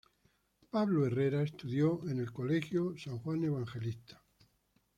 Pablo Herrera estudió en el Colegio San Juan Evangelista.